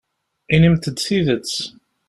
Inimt-d tidet.